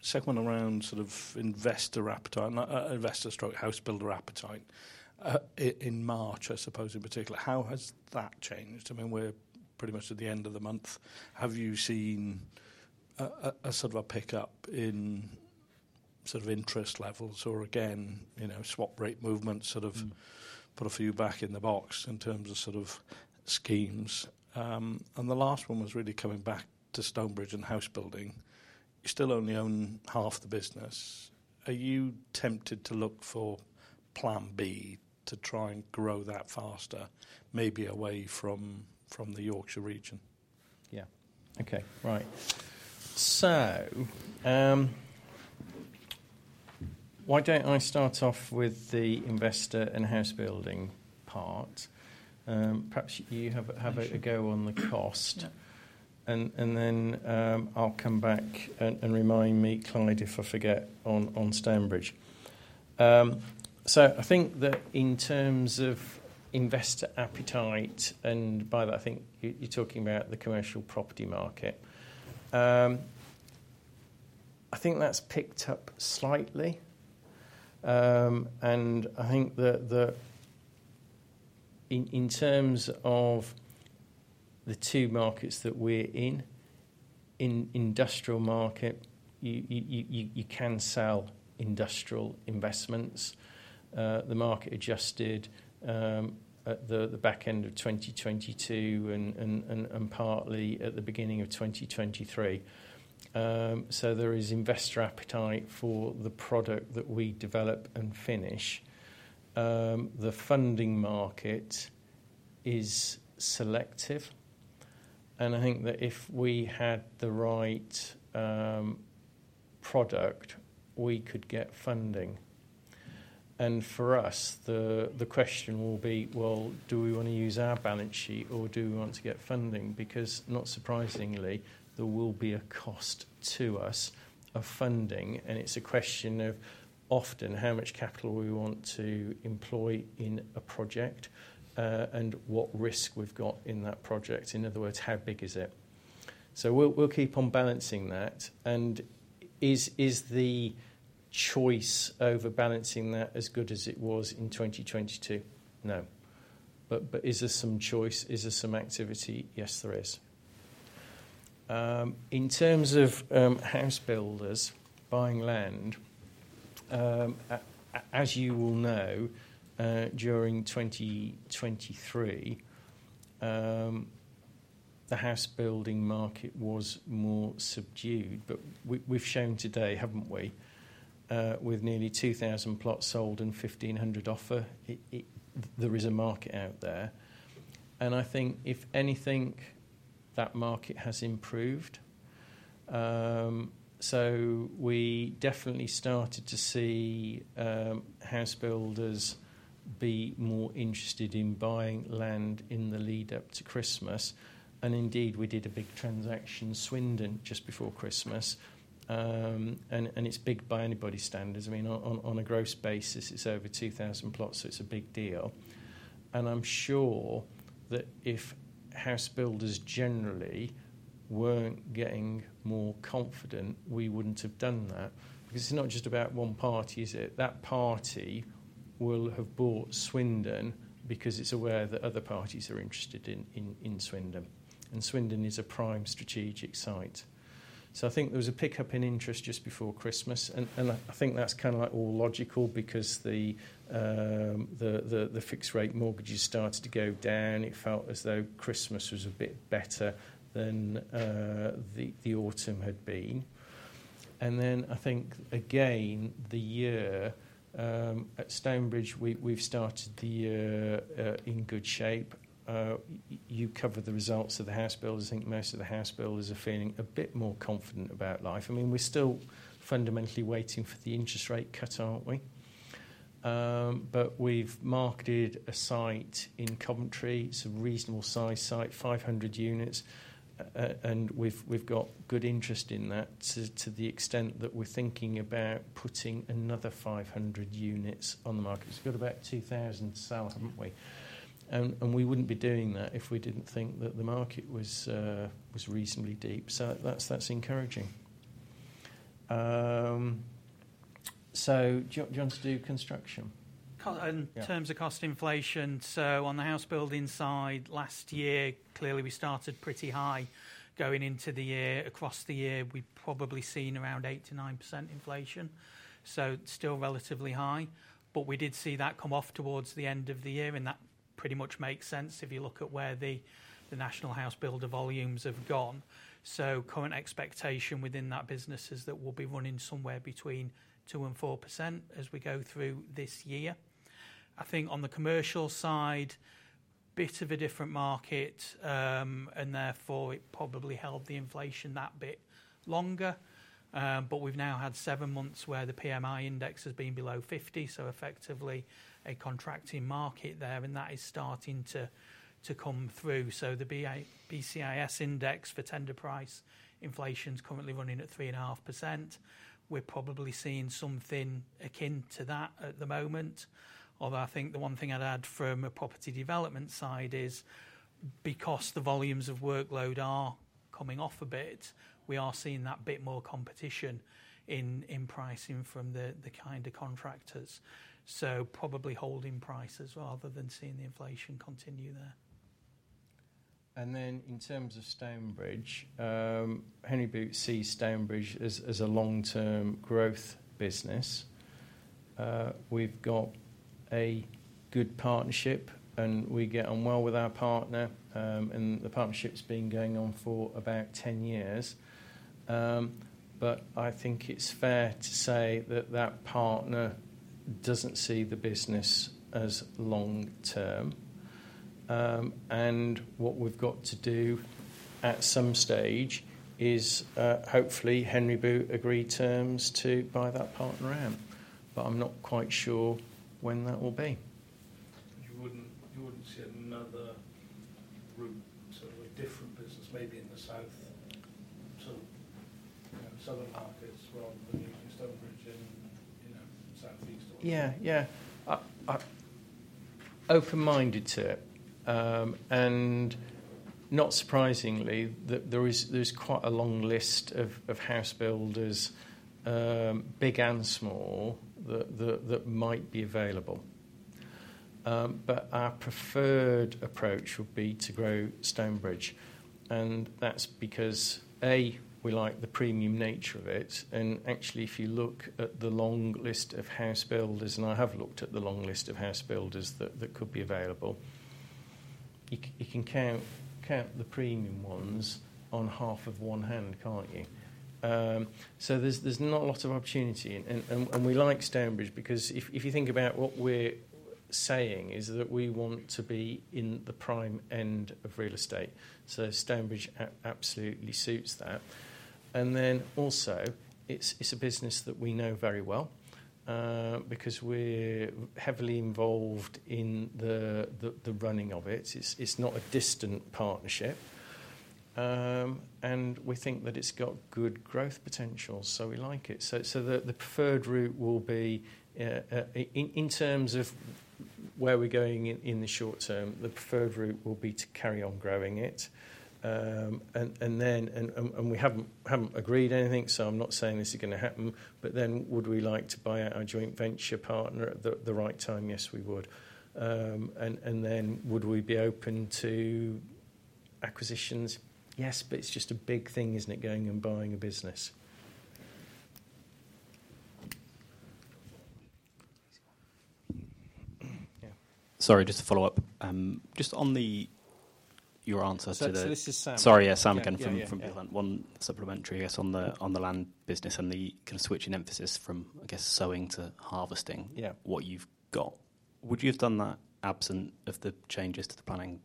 Second one around sort of investor appetite not investor stroke, house builder appetite in March, I suppose, in particular. How has that changed? I mean, we're pretty much at the end of the month. Have you seen a sort of a pickup in sort of interest levels? Or again, swap rate movements sort of put a few back in the box in terms of sort of schemes? The last one was really coming back to Stonebridge and house building. You still only own half the business. Are you tempted to look for Plan B to try and grow that faster, maybe away from the Yorkshire region? So why don't I start off with the investor and house building part? Perhaps you have a go on the cost. And then I'll come back and remind me, Clyde, if I forget, on Stonebridge. So I think that in terms of investor appetite and by that, I think you're talking about the commercial property market. I think that's picked up slightly. And I think that in terms of the two markets that we're in, in the industrial market, you can sell industrial investments. The market adjusted at the back end of 2022 and partly at the beginning of 2023. So there is investor appetite for the product that we develop and finish. The funding market is selective. And I think that if we had the right product, we could get funding. For us, the question will be, well, do we want to use our balance sheet? Or do we want to get funding? Because not surprisingly, there will be a cost to us of funding. It's a question of often how much capital we want to employ in a project and what risk we've got in that project. In other words, how big is it? We'll keep on balancing that. Is the choice over balancing that as good as it was in 2022? No. But is there some choice? Is there some activity? Yes, there is. In terms of house builders buying land, as you will know, during 2023, the house building market was more subdued. We've shown today, haven't we, with nearly 2,000 plots sold and 1,500 offers, there is a market out there. I think if anything, that market has improved. So we definitely started to see house builders be more interested in buying land in the lead-up to Christmas. And indeed, we did a big transaction, Swindon, just before Christmas. And it's big by anybody's standards. I mean, on a gross basis, it's over 2,000 plots. So it's a big deal. And I'm sure that if house builders generally weren't getting more confident, we wouldn't have done that. Because it's not just about one party, is it? That party will have bought Swindon because it's aware that other parties are interested in Swindon. And Swindon is a prime strategic site. So I think there was a pickup in interest just before Christmas. And I think that's kind of all logical because the fixed-rate mortgages started to go down. It felt as though Christmas was a bit better than the autumn had been. And then I think, again, the year at Stonebridge, we've started the year in good shape. You cover the results of the house builders. I think most of the house builders are feeling a bit more confident about life. I mean, we're still fundamentally waiting for the interest rate cut, aren't we? But we've marketed a site in Coventry. It's a reasonable-sized site, 500 units. And we've got good interest in that to the extent that we're thinking about putting another 500 units on the market. We've got about 2,000 to sell, haven't we? And we wouldn't be doing that if we didn't think that the market was reasonably deep. So that's encouraging. So do you want to do construction? In terms of cost inflation, so on the house building side, last year, clearly, we started pretty high going into the year. Across the year, we've probably seen around 8%-9% inflation. So still relatively high. But we did see that come off towards the end of the year. And that pretty much makes sense if you look at where the national house builder volumes have gone. So current expectation within that business is that we'll be running somewhere between 2% and 4% as we go through this year. I think on the commercial side, a bit of a different market. And therefore, it probably held the inflation that bit longer. But we've now had seven months where the PMI index has been below 50. So effectively, a contracting market there. And that is starting to come through. The BCIS index for tender price inflation is currently running at 3.5%. We're probably seeing something akin to that at the moment. Although I think the one thing I'd add from a property development side is because the volumes of workload are coming off a bit, we are seeing that bit more competition in pricing from the kind of contractors. Probably holding prices rather than seeing the inflation continue there. And then in terms of Stonebridge, Henry Boot sees Stonebridge as a long-term growth business. We've got a good partnership. We get on well with our partner. The partnership's been going on for about 10 years. But I think it's fair to say that that partner doesn't see the business as long-term. What we've got to do at some stage is hopefully, Henry Boot agree terms to buy that partner out. But I'm not quite sure when that will be. You wouldn't see another sort of a different business, maybe in the southern markets rather than using Stonebridge in southeast? Yeah. Yeah. Open-minded to it. And not surprisingly, there is quite a long list of house builders, big and small, that might be available. But our preferred approach would be to grow Stonebridge. And that's because, A, we like the premium nature of it. And actually, if you look at the long list of house builders and I have looked at the long list of house builders that could be available, you can count the premium ones on half of one hand, can't you? So there's not a lot of opportunity. And we like Stonebridge because if you think about what we're saying is that we want to be in the prime end of real estate. So Stonebridge absolutely suits that. And then also, it's a business that we know very well because we're heavily involved in the running of it. It's not a distant partnership. And we think that it's got good growth potential. So we like it. So the preferred route will be in terms of where we're going in the short term, the preferred route will be to carry on growing it. And we haven't agreed anything. So I'm not saying this is going to happen. But then would we like to buy out our joint venture partner at the right time? Yes, we would. And then would we be open to acquisitions? Yes. But it's just a big thing, isn't it, going and buying a business? Yeah. Sorry, just to follow up. Just on your answer to the. So this is Sam. Sorry, yeah, Sam again from Peel Hunt. One supplementary, I guess, on the land business and the kind of switching emphasis from, I guess, sowing to harvesting, what you've got. Would you have done that absent of the changes to the planning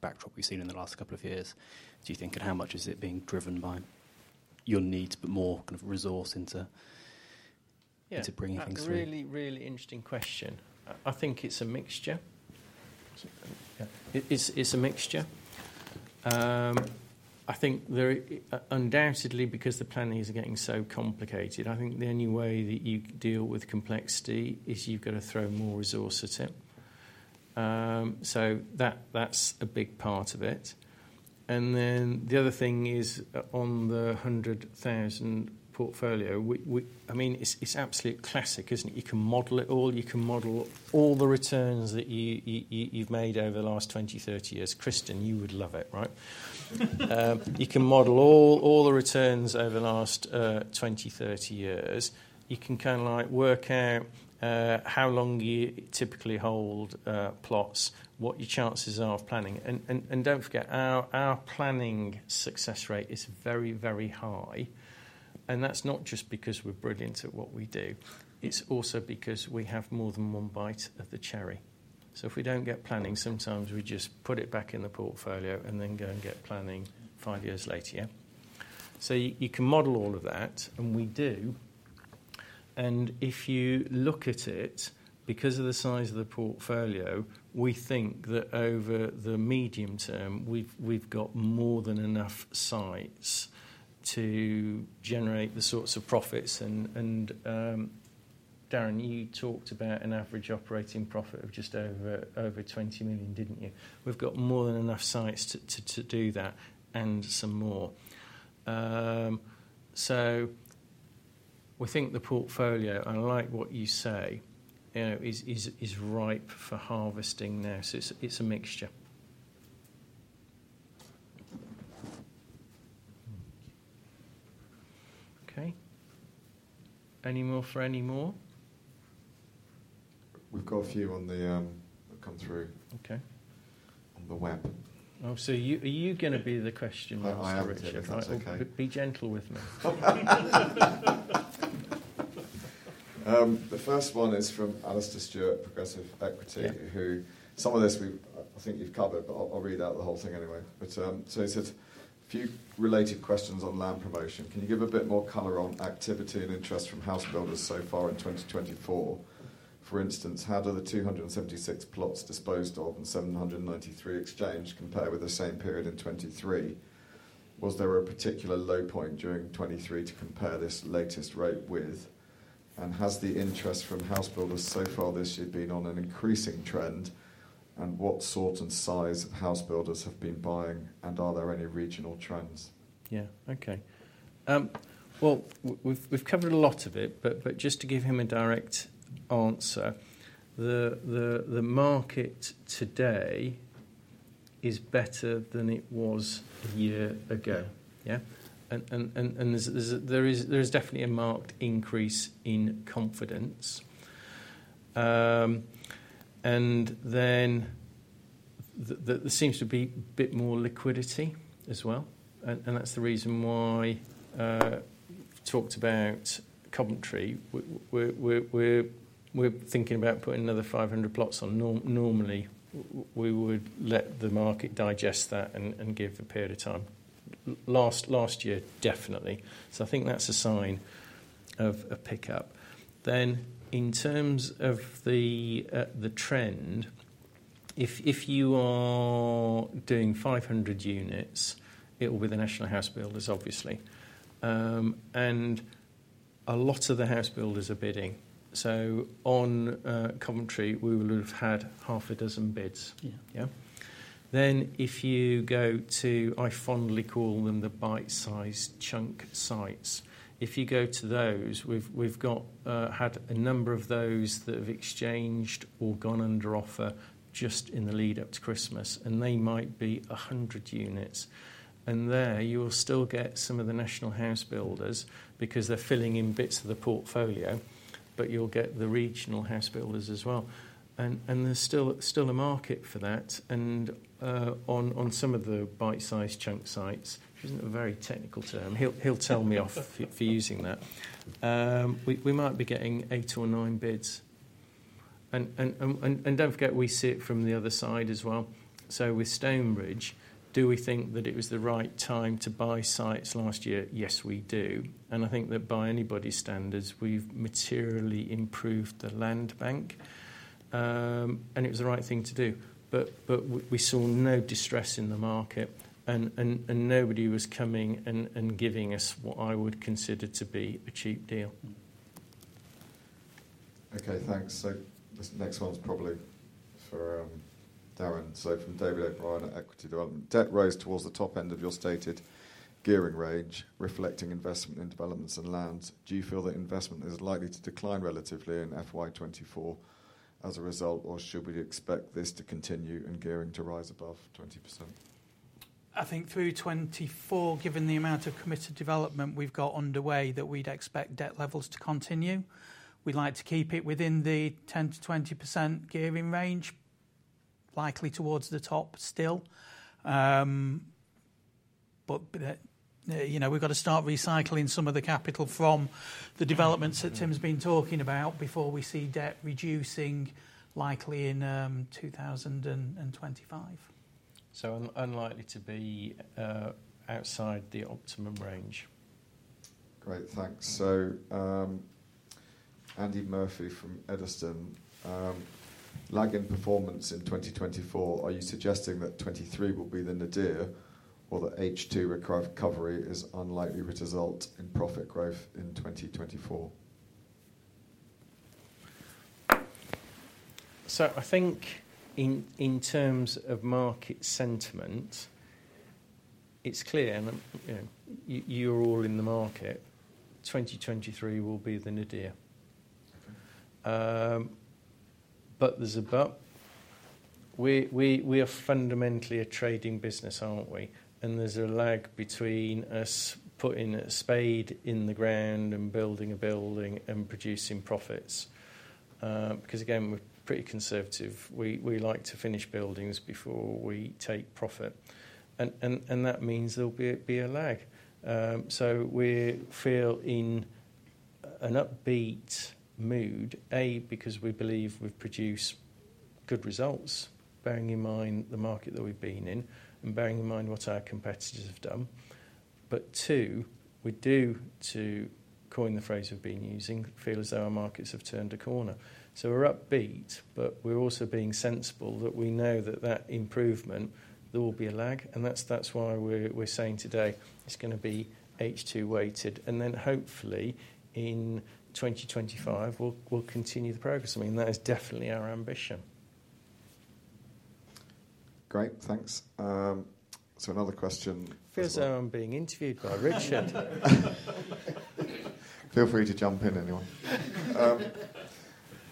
backdrop we've seen in the last couple of years? Do you think, and how much is it being driven by your needs but more kind of resource into bringing things through? That's a really, really interesting question. I think it's a mixture. It's a mixture. I think undoubtedly, because the plannings are getting so complicated, I think the only way that you deal with complexity is you've got to throw more resources at it. So that's a big part of it. And then the other thing is on the 100,000 portfolio, I mean, it's absolute classic, isn't it? You can model it all. You can model all the returns that you've made over the last 20, 30 years. Christen, you would love it, right? You can model all the returns over the last 20, 30 years. You can kind of work out how long you typically hold plots, what your chances are of planning. And don't forget, our planning success rate is very, very high. And that's not just because we're brilliant at what we do. It's also because we have more than one bite of the cherry. So if we don't get planning, sometimes we just put it back in the portfolio and then go and get planning five years later, yeah? So you can model all of that. And we do. And if you look at it, because of the size of the portfolio, we think that over the medium term, we've got more than enough sites to generate the sorts of profits. And Darren, you talked about an average operating profit of just over 20 million, didn't you? We've got more than enough sites to do that and some more. So we think the portfolio, and I like what you say, is ripe for harvesting now. So it's a mixture. OK? Any more for any more? We've got a few that have come through on the web. Oh, so are you going to be the question master, [Richard]? I am, yes. All right. Be gentle with me. The first one is from Alastair Stewart, Progressive Equity, who some of this, I think you've covered. But I'll read out the whole thing anyway. So he said, a few related questions on land promotion. Can you give a bit more color on activity and interest from house builders so far in 2024? For instance, how do the 276 plots disposed of and 793 exchanged compare with the same period in 2023? Was there a particular low point during 2023 to compare this latest rate with? And has the interest from house builders so far this year been on an increasing trend? And what sort and size of house builders have been buying? And are there any regional trends? Yeah. OK. Well, we've covered a lot of it. But just to give him a direct answer, the market today is better than it was a year ago, yeah? And there is definitely a marked increase in confidence. And then there seems to be a bit more liquidity as well. And that's the reason why we talked about Coventry. We're thinking about putting another 500 plots on. Normally, we would let the market digest that and give a period of time. Last year, definitely. So I think that's a sign of a pickup. Then in terms of the trend, if you are doing 500 units, it will be the national house builders, obviously. And a lot of the house builders are bidding. So on Coventry, we would have had 6 bids, yeah? Then if you go to what I fondly call the bite-sized chunk sites, if you go to those, we've had a number of those that have exchanged or gone under offer just in the lead-up to Christmas. And they might be 100 units. And there, you will still get some of the national house builders because they're filling in bits of the portfolio. But you'll get the regional house builders as well. And there's still a market for that. And on some of the bite-sized chunk sites, which isn't a very technical term—he'll tell me off for using that—we might be getting eight or nine bids. And don't forget, we see it from the other side as well. So with Stonebridge, do we think that it was the right time to buy sites last year? Yes, we do. I think that by anybody's standards, we've materially improved the land bank. It was the right thing to do. But we saw no distress in the market. Nobody was coming and giving us what I would consider to be a cheap deal. OK, thanks. So this next one's probably for Darren. So from David O'Brien at Equity Development, debt rose towards the top end of your stated gearing range, reflecting investment in developments and lands. Do you feel that investment is likely to decline relatively in FY24 as a result? Or should we expect this to continue and gearing to rise above 20%? I think through 2024, given the amount of committed development we've got underway, that we'd expect debt levels to continue. We'd like to keep it within the 10%-20% gearing range, likely towards the top still. But we've got to start recycling some of the capital from the developments that Tim's been talking about before we see debt reducing, likely in 2025. Unlikely to be outside the optimum range. Great. Thanks. So Andy Murphy from Edison, lagging performance in 2024. Are you suggesting that 2023 will be the nadir or that H2 recovery is unlikely to result in profit growth in 2024? So I think in terms of market sentiment, it's clear. And you're all in the market. 2023 will be the nadir. But there's a bump. We are fundamentally a trading business, aren't we? And there's a lag between us putting a spade in the ground and building a building and producing profits. Because again, we're pretty conservative. We like to finish buildings before we take profit. And that means there'll be a lag. So we feel in an upbeat mood, A, because we believe we produce good results, bearing in mind the market that we've been in and bearing in mind what our competitors have done. But two, we do, to coin the phrase we've been using, feel as though our markets have turned a corner. So we're upbeat. But we're also being sensible that we know that that improvement, there will be a lag. That's why we're saying today it's going to be H2 weighted. Then hopefully, in 2025, we'll continue the progress. I mean, that is definitely our ambition. Great. Thanks. So another question. Feel as though I'm being interviewed by [Richard]. Feel free to jump in, anyone.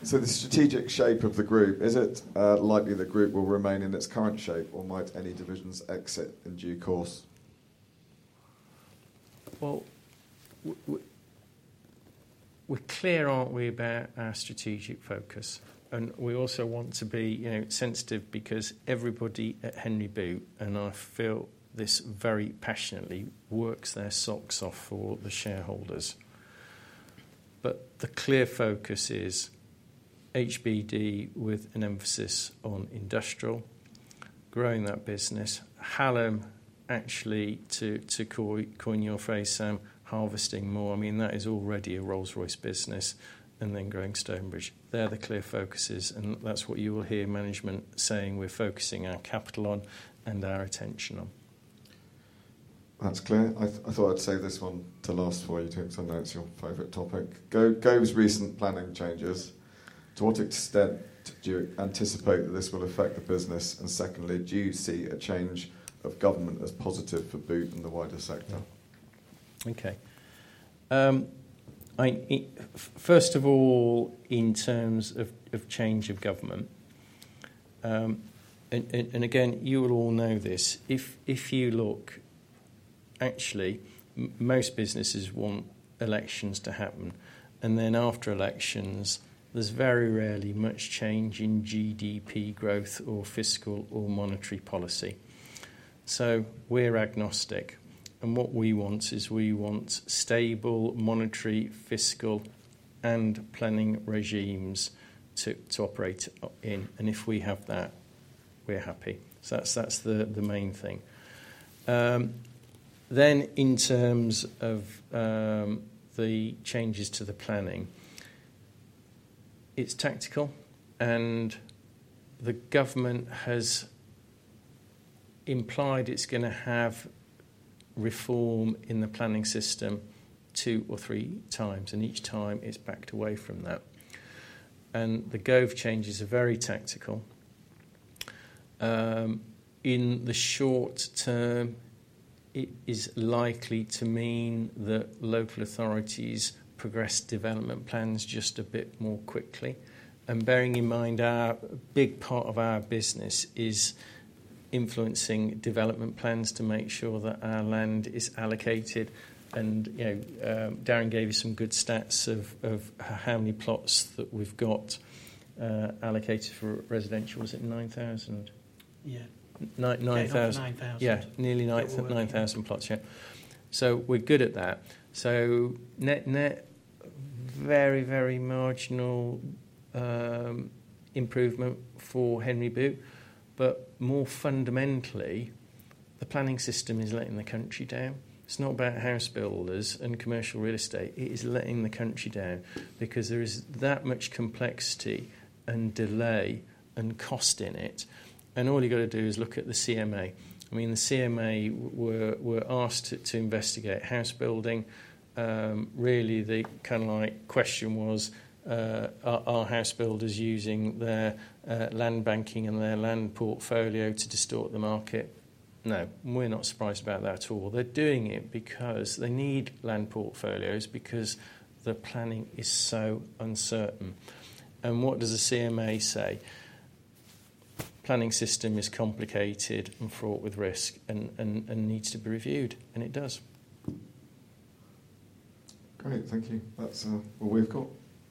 So the strategic shape of the group, is it likely the group will remain in its current shape? Or might any divisions exit in due course? Well, we're clear, aren't we, about our strategic focus? And we also want to be sensitive because everybody at Henry Boot, and I feel this very passionately, works their socks off for all the shareholders. But the clear focus is HBD with an emphasis on industrial, growing that business. Hallam, actually, to coin your phrase, Sam, harvesting more. I mean, that is already a Rolls-Royce business. And then growing Stonebridge, they're the clear focuses. And that's what you will hear management saying we're focusing our capital on and our attention on. That's clear. I thought I'd say this one to last for you too, because I know it's your favorite topic. Go with recent planning changes. To what extent do you anticipate that this will affect the business? And secondly, do you see a change of government as positive for Boot and the wider sector? OK. First of all, in terms of change of government, and again, you will all know this, if you look, actually, most businesses want elections to happen. And then after elections, there's very rarely much change in GDP growth or fiscal or monetary policy. So we're agnostic. And what we want is we want stable monetary, fiscal, and planning regimes to operate in. And if we have that, we're happy. So that's the main thing. Then in terms of the changes to the planning, it's tactical. And the government has implied it's going to have reform in the planning system two or three times. And each time, it's backed away from that. And the government's changes are very tactical. In the short term, it is likely to mean that local authorities progress development plans just a bit more quickly. Bearing in mind, a big part of our business is influencing development plans to make sure that our land is allocated. Darren gave you some good stats of how many plots that we've got allocated for residential. Was it 9,000? Yeah. 9,000. 9,000. Yeah, nearly 9,000 plots, yeah. So we're good at that. So net, net, very, very marginal improvement for Henry Boot. But more fundamentally, the planning system is letting the country down. It's not about house builders and commercial real estate. It is letting the country down because there is that much complexity and delay and cost in it. And all you've got to do is look at the CMA. I mean, the CMA, we're asked to investigate house building. Really, the kind of question was, are house builders using their land banking and their land portfolio to distort the market? No, we're not surprised about that at all. They're doing it because they need land portfolios, because the planning is so uncertain. And what does the CMA say? Planning system is complicated and fraught with risk and needs to be reviewed. And it does. Great. Thank you. That's all we've got.